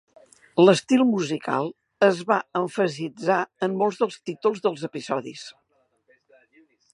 L'estil musical es va emfasitzar en molts dels títols dels episodis.